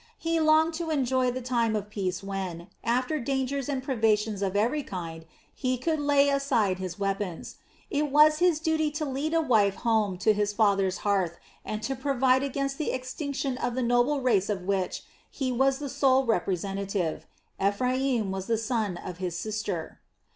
He longed to enjoy the time of peace when, after dangers and privations of every kind, he could lay aside his weapons. It was his duty to lead a wife home to his father's hearth and to provide against the extinction of the noble race of which he was the sole representative. Ephraim was the son of his sister.